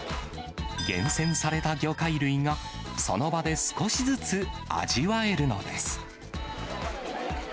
厳選された魚介類が、その場で少しずつ味わえるのです。